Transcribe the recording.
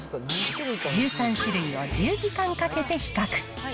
１３種類を１０時間かけて比較。